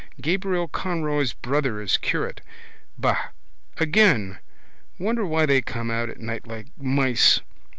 Gabriel Conroy's brother is curate. Ba. Again. Wonder why they come out at night like mice.